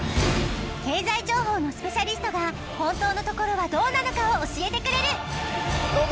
経済情報のスペシャリストが本当のところはどうなのかを教えてくれるどうぞ！